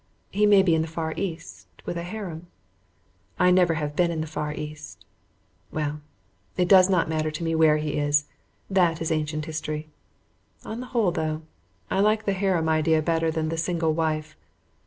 He may be in the Far East, with a harem. I never have been in the Far East. Well, it does not matter to me where he is. That is ancient history. On the whole, though, I like the harem idea better than the single wife.